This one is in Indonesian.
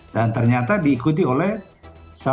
dan ternyata diikuti oleh sepuluh sekolah